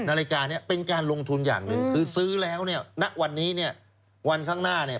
นาฬิกาเนี่ยเป็นการลงทุนอย่างหนึ่งคือซื้อแล้วเนี่ยณวันนี้เนี่ยวันข้างหน้าเนี่ย